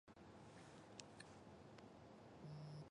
范登堡反应作用产生紫红色的偶氮化合物。